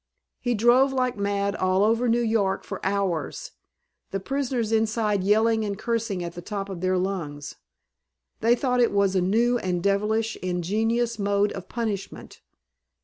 He drove like mad all over New York for hours, the prisoners inside yelling and cursing at the top of their lungs. They thought it was a new and devilishly ingenious mode of punishment.